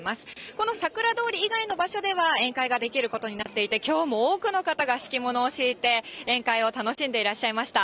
このさくら通り以外の場所では、宴会ができることになっていて、きょうも多くの方が敷き物を敷いて、宴会を楽しんでいらっしゃいました。